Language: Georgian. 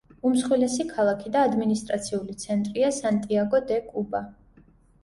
უმსხვილესი ქალაქი და ადმინისტრაციული ცენტრია სანტიაგო-დე-კუბა.